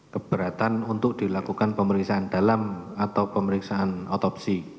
keberatan untuk dilakukan pemeriksaan dalam atau pemeriksaan otopsi